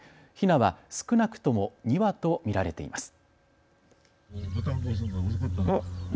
ヒナは少なくとも２羽と見られています。